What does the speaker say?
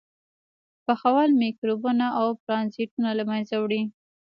پخول میکروبونه او پرازیټونه له منځه وړي.